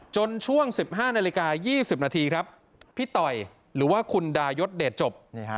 ช่วง๑๕นาฬิกา๒๐นาทีครับพี่ต่อยหรือว่าคุณดายศเดชจบ